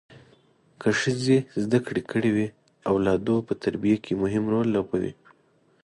که ښځه زده کړې کړي وي اولادو په تربیه کې مهم رول لوبوي